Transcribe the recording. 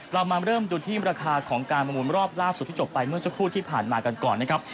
เรามาเริ่มดูที่ราคาของการประมูลรอบล่าสุดที่จบไปเมื่อสักครู่ที่ผ่านมากันก่อนนะครับ